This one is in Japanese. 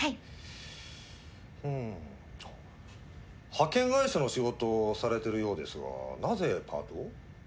派遣会社の仕事をされてるようですがなぜパートを？